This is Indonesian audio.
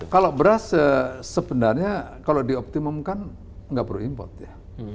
kalau beras sebenarnya kalau dioptimumkan nggak perlu import ya